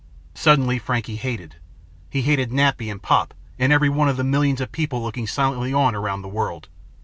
Suddenly Frankie hated. He hated Nappy and Pop and every one of the millions of people looking silently on around the world.